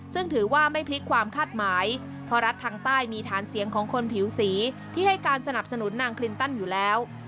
ซึ่งถือว่าไม่พลิกความคาดหมายเพราะรัฐทางใต้มีฐานเสียงของคนผิวสีที่ให้การสนับสนุนนางคลินตันอยู่แล้ว